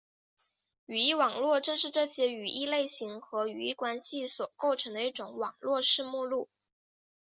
语义网络正是这些语义类型和语义关系所构成的一种网络式目录。